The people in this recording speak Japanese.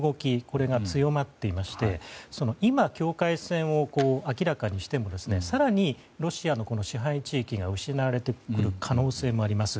これが強まっていまして今、境界線を明らかにしても更にロシアの支配地域が失われてくる可能性もあります。